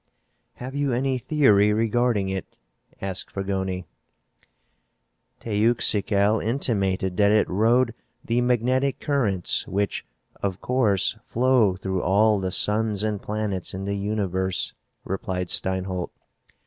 "Have you any theory regarding it?" asked Fragoni. "Teuxical intimated that it rode the magnetic currents which, of course, flow through all the suns and planets in the universe," replied Steinholt.